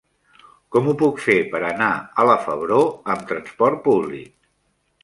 Com ho puc fer per anar a la Febró amb trasport públic?